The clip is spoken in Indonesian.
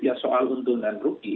ya soal untung dan rugi